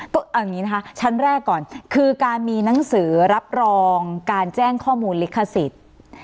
เอาอย่างนี้นะคะชั้นแรกก่อนคือการมีหนังสือรับรองการแจ้งข้อมูลลิขสิทธิ์